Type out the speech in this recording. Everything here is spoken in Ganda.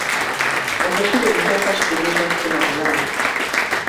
Okukuba enkooka kitegeeza kutema mulanga.